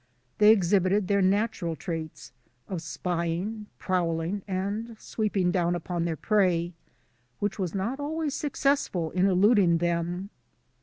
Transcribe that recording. They exhibited their natural traits of spying, prowling, and sweeping down upon their prey, which was not always successful in eluding them.